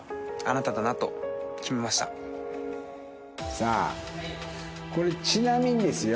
さあこれちなみにですよ。